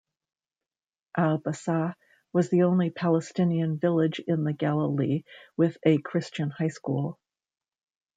Al-Bassa was the only Palestinian village in the Galilee with a Christian high school.